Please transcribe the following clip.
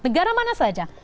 negara mana saja